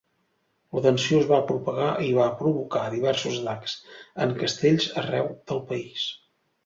La tensió es va propagar i va provocar diversos atacs en castells arreu del país.